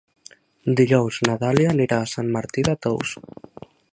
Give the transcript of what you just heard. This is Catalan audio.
Dijous na Dàlia anirà a Sant Martí de Tous.